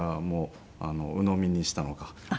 もうのみにしたのか。